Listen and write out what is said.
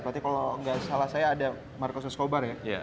berarti kalau gak salah saya ada marcos escobar ya